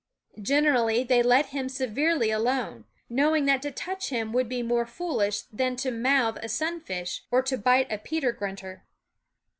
Generally they let him severely alone, knowing that to touch him would be more foolish than to mouth a sunfish or to bite a peter grunter.